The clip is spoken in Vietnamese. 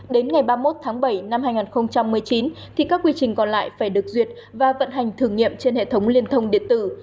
đến ngày ba mươi một tháng bảy năm hai nghìn một mươi chín thì các quy trình còn lại phải được duyệt và vận hành thử nghiệm trên hệ thống liên thông điện tử